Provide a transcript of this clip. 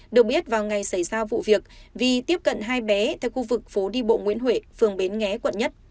được biết vào ngày xảy ra vụ việc vi tiếp cận hai bé tại khu vực phố đi bộ nguyễn huệ phường bến nghé quận một